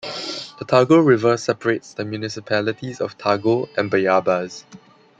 The Tago River separates the municipalities of Tago and Bayabas.